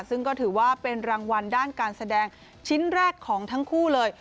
ซึ่งก็ถือว่าเป็นรางวัลด้านการแสดงชิ้นแรกของทั้งคู่เลย